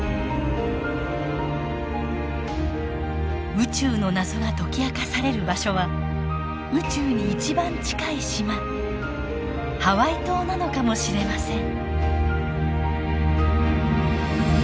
宇宙の謎が解き明かされる場所は宇宙に一番近い島ハワイ島なのかもしれません。